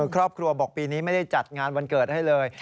ครอบครัวบอกปีนี้ไม่ได้จัดงานวันเกิดให้เลย